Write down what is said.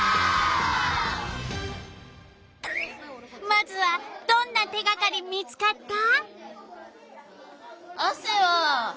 まずはどんな手がかり見つかった？